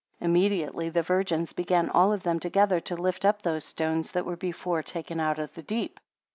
27 Immediately the virgins began all of them together to lift up those stones, that were before taken out of the deep.